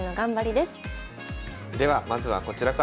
ではまずはこちらから。